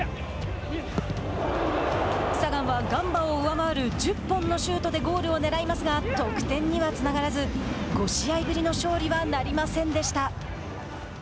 サガンはガンバを上回る１０本のシュートでゴールをねらいますが得点にはつながらず５試合ぶりの勝利はなりませんでした。